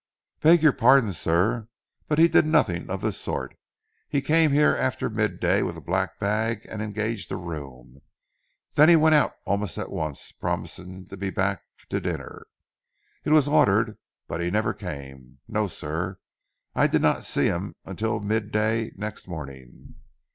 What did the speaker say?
"Beg your pardon sir, but he did nothing of the sort. He came here after mid day with a black bag and engaged a room. Then he went out almost at once, promising to be back to dinner. It was ordered, but he never came. No sir, I did not see him until mid day next morning."